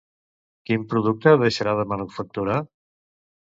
Quin producte deixarà de manufacturar?